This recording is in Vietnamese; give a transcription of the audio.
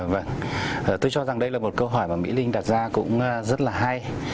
vâng tôi cho rằng đây là một câu hỏi mà mỹ linh đặt ra cũng rất là hay